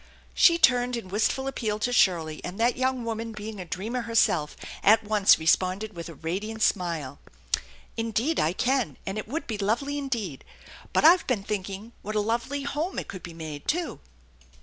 She turned in wistful appeal to Shirley, and that young woman, being a dreamer herself, at once responded with a radiant smile: " Indeed I can, and it would be lovely indeed, but I've been thinking what a lovely home it could be made, too."